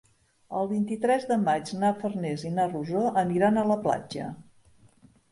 El vint-i-tres de maig na Farners i na Rosó aniran a la platja.